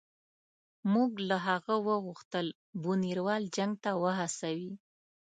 موږ له هغه وغوښتل بونیروال جنګ ته وهڅوي.